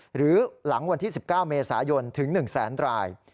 หรือหลังวันที่๑๙เมษายนถึง๑แสนราย